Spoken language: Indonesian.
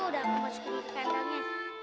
udah memuaskan di kantangnya